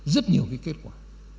rất nhiều cái kết quả